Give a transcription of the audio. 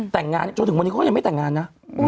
แต่งงานจนถึงวันนี้เขายังไม่แต่งงานนะ